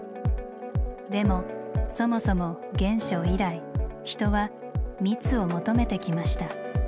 でもそもそも原初以来人は「密」を求めてきました。